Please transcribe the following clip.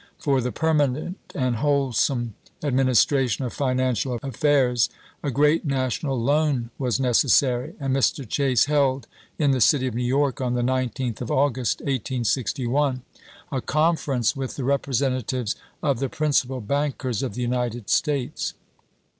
For the permanent and wholesome admin istration of financial affairs a great national loan was necessary, and Mr. Chase held, in the city of New York, on the 19th of August, 1861, a confer ence with the representatives of the principal bankers of the United States.